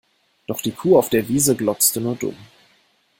Doch die Kuh auf der Wiese glotzte nur dumm.